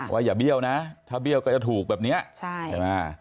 อย่าเบี้ยวนะถ้าเบี้ยวก็จะถูกแบบนี้ใช่ไหม